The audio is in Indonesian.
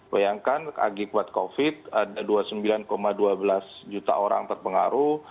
bayangkan lagi kuat covid ada dua puluh sembilan dua belas juta orang terpengaruh